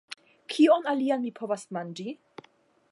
Kion alian mi povas manĝi?